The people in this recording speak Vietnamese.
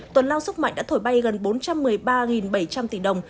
tuần lao sức mạnh đã thổi bay gần bốn trăm một mươi ba bảy trăm linh tỷ đồng